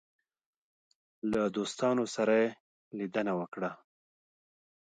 له دوستانو سره یې لیدنه وکړه.